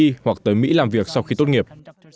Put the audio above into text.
trang trường y hoặc tới mỹ làm việc sau khi tốt nghiệp